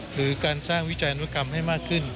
หรือการสร้างวิจารณุกรรมให้มากขึ้น